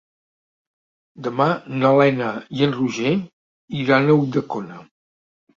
Demà na Lena i en Roger iran a Ulldecona.